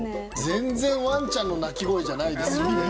全然ワンちゃんの鳴き声じゃないですよね。